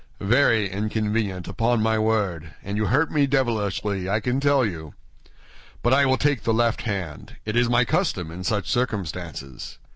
"Very inconvenient, upon my word; and you hurt me devilishly, I can tell you. But I will take the left hand—it is my custom in such circumstances.